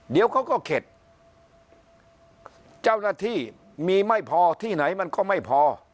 เดี๋ยวเขาก็เข็ดเจ้าหน้าที่มีไม่พอที่ไหนมันก็ไม่พอ